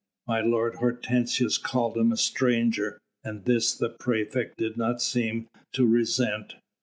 "My lord Hortensius called him a stranger, and this the praefect did not seem to resent.